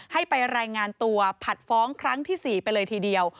ให้ไปรายงานตัวผัดฟ้องครั้งที่๔ไปเลยทีเดียว